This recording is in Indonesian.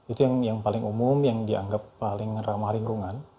itu yang paling umum yang dianggap paling rama ringrungan